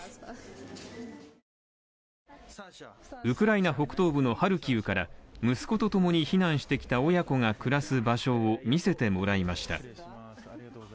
ウクライナ北東部のハルキウから息子とともに避難してきた親子が暮らす場所を見せてもらいました。